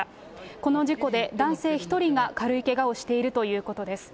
この事故で男性１人が軽いけがをしているということです。